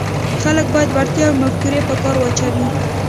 خلک باید وړتیاوې او مفکورې په کار واچوي.